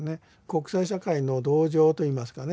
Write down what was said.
国際社会の同情といいますかね